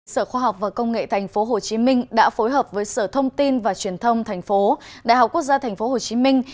sở khoa học và công nghệ tp hcm đã phối hợp với sở thông tin và truyền thông tp đại học quốc gia tp hcm